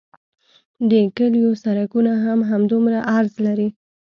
د کلیو سرکونه هم همدومره عرض لري